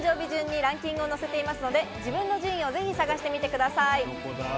順にランキングを載せていますので、自分の順位をぜひ探してみてください。